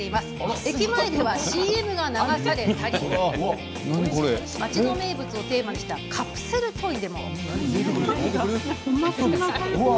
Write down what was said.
駅前ではＣＭが流されたり町の名物をテーマにしたカプセルトイでも。